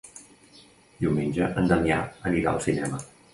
Diumenge en Damià anirà al cinema.